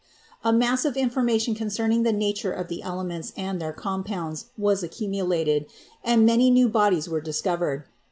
A mass of information concerning the nature of the elements and their compounds was accumulated, and many new bodies were discovered.